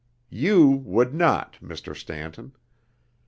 You would not, Mr. Stanton.